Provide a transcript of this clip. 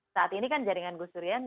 saat ini kan jaringan gus durian